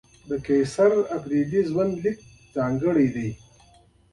د قیصر اپریدي ژوند لیک ځانګړی دی.